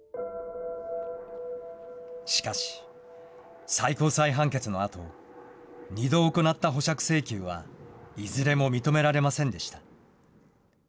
しかし、最高裁判決のあと、２度行った保釈請求はいずれも認められませんでした。